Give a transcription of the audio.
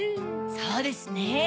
そうですね。